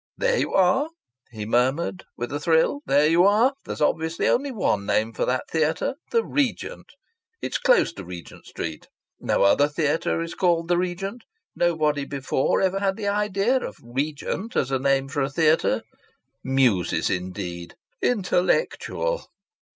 "There you are!" he murmured, with a thrill. "There you are! There's obviously only one name for that theatre 'The Regent.' It's close to Regent Street. No other theatre is called 'The Regent.' Nobody before ever had the idea of 'Regent' as a name for a theatre. 'Muses' indeed!... 'Intellectual'!